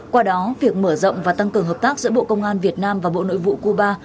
qua đó việc mở rộng và tăng cường hợp tác giữa bộ công an việt nam và bộ nội vụ cuba